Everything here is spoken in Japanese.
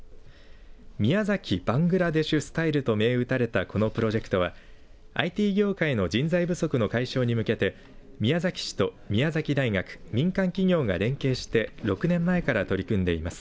宮崎‐バングラデシュ・スタイルと銘打たれたこのプロジェクトはＩＴ業界の人材不足の解消に向けて宮崎市と宮崎大学民間企業が連携して６年前から取り組んでいます。